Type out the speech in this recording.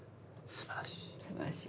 すばらしい。